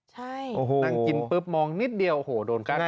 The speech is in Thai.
ใช่นั่งกินปุ๊บมองนิดเดียวโอ้โหโดนกั้น